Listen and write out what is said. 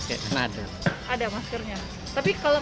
di beberapa tempat umum warga masih saja terlihat berkurumun